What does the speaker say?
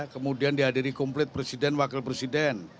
kemudian dihadiri komplit presiden wakil presiden